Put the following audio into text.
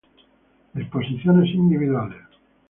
Exposiciones individuales